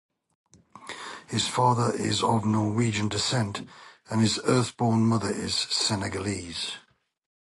His father is of Norwegian descent, and his Earth-born mother is Senegalese.